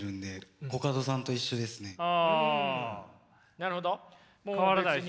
なるほど。